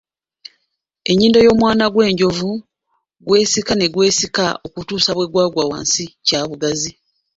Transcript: Ennyindo y'omwana gw'enjovu gwesika ne gwesika okutuusa bwe yagwa wansi kya bugazi.